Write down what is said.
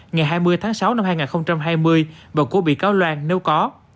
ngày hai mươi tháng sáu năm hai nghìn hai mươi và của bị cáo loan nếu có